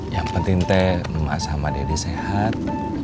yang penting teh emak sama dedek sehat